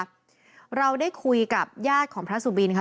เราได้คุยกับญาติของพระสุบินค่ะ